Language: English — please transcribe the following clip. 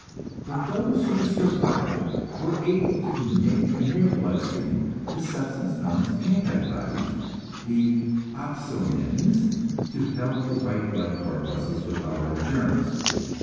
But those who survived were able to make in their blood stream the substances known as anti bodies, the "opsonins," to help the white blood corpuscles devour the germs.